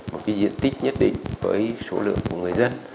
một cái diện tích nhất định với số lượng của người dân